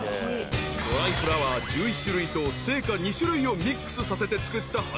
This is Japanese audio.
［ドライフラワー１１種類と生花２種類をミックスさせて作った花束］